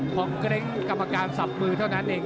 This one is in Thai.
พอเกรงกรรมการสับมือเท่านั้นเอง